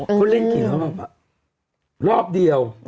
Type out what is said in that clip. คุณเล่นกี่รอบครับรอบเดียว